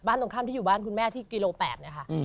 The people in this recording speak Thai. เพราะที่อยู่บ้านคุณแม่ที่กิโลแปดเนี่ยค่ะ